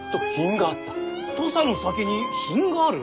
土佐の酒に品がある？